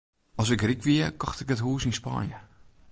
As ik ryk wie, kocht ik in hûs yn Spanje.